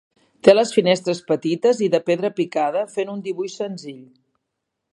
Té les finestres petites i de pedra picada fent un dibuix senzill.